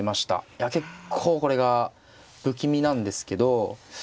いや結構これが不気味なんですけど。